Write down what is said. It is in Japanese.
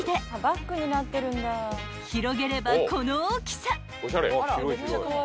［広げればこの大きさ］